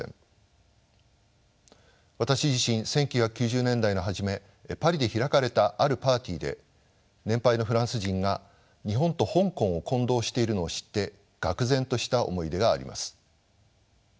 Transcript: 私自身１９９０年代の初めパリで開かれたあるパーティーで年配のフランス人が日本と香港を混同しているのを知って愕然とした思い出があります。